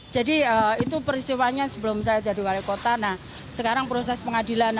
jadi itu peristiwanya sebelum saya jadi wali kota sekarang proses pengadilan